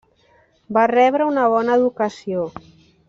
Va rebre una bona educació.